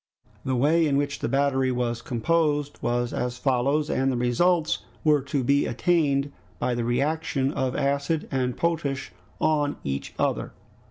The way in which the battery was composed was as follows, and the results were to be attained by the reaction of acid and potash on each other.